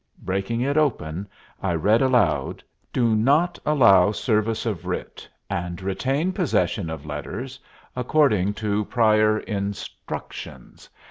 Breaking it open, I read aloud, "Do not allow service of writ, and retain possession of letters according to prior instructions.